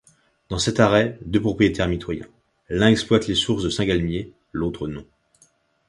Dans cet arrêt, deux propriétaires mitoyens, l’un exploite les sources de Saint-Galmier, l’autre non.